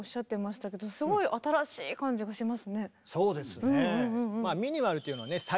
そうですね。